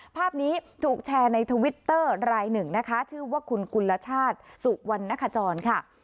ภาพนี้ถูกแชร์ในทวิตเตอร์รายหนึ่งนะคะชื่อว่าคุณกุลชาติสุวรรณคจรค่ะ